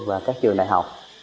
và các trường đại học